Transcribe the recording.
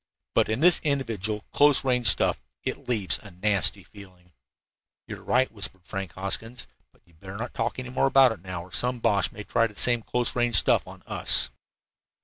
But in this individual close range stuff it leaves a nasty feeling." "You are right," whispered Frank Hoskins, "but you'd better not talk any more about it now or some Boche may try the same close range stuff on us."